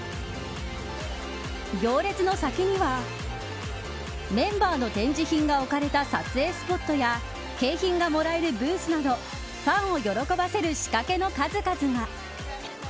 行列の先にはメンバーの展示品が置かれた撮影スポットや景品がもらえるブースなどファンを喜ばせる仕掛けの数々が。